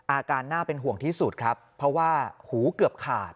อาการน่าเป็นห่วงที่สุดครับเพราะว่าหูเกือบขาด